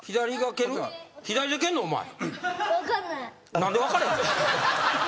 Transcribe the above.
何で分かれへんねん。